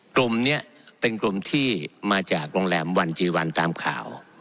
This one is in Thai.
กลุ่มนี้เป็นกลุ่มที่มาจากโรงแรมวันจีวันตามข่าว